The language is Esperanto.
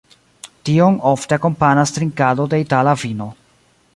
Tion ofte akompanas trinkado de itala vino.